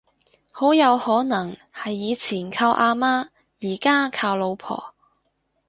好有可能係以前靠阿媽而家靠老婆